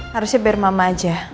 harusnya biar mama aja